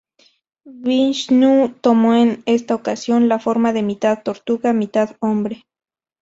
Vishnú tomó en esta ocasión la forma de mitad tortuga mitad hombre.